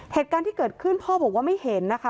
เหตุการณ์ที่เกิดขึ้นพ่อบอกว่าไม่เห็นนะคะ